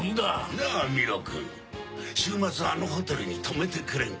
なあ美緒君週末あのホテルに泊めてくれんか？